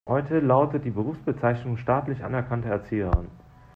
Heute lautet die Berufsbezeichnung staatlich anerkannte Erzieherin.